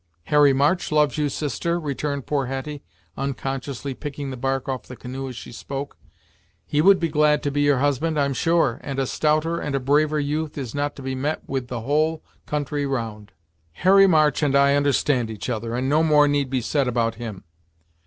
"Harry March loves you, sister," returned poor Hetty, unconsciously picking the bark off the canoe as she spoke. "He would be glad to be your husband, I'm sure, and a stouter and a braver youth is not to be met with the whole country round." "Harry March and I understand each other, and no more need be said about him.